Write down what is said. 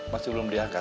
masih belum diangkat